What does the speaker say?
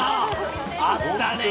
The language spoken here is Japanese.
あったね。